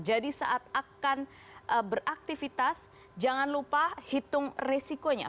jadi saat akan beraktivitas jangan lupa hitung resikonya